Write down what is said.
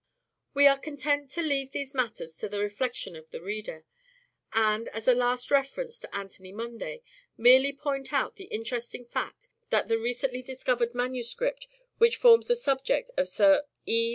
We are content to leave these matters to the reflec tion of the reader ; and, as a last reference to Anthony Munday, merely point out the interesting fact that the recently discovered manuscript, which forms the subject of Sir E.